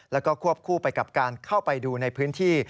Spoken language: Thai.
แล้วก็ควบคู่ไปกับการเข้าไปดูในพื้นที่